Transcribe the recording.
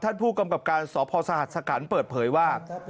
ท่านผู้กำกับการสพสหัสสกันเปิดเผยว่า